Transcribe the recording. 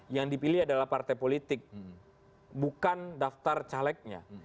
yang dipilih adalah partai politik bukan daftar calegnya